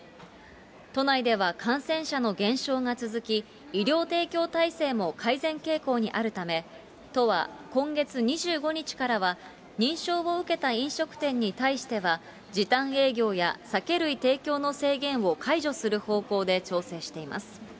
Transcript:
都内では感染者の減少が続き、医療提供体制も改善傾向にあるため、都は今月２５日からは、認証を受けた飲食店に対しては、時短営業や酒類提供の制限を解除する方向で調整しています。